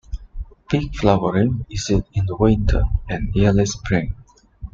Peak flowering is in the winter and early spring.